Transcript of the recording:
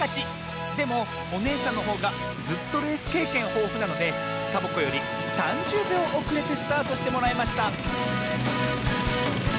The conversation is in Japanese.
でもおねえさんのほうがずっとレースけいけんほうふなのでサボ子より３０びょうおくれてスタートしてもらいました